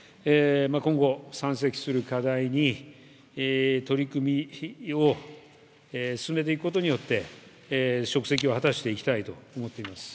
今後、山積する課題に取り組みを進めていくことによって職責を果たしていきたいと思っています。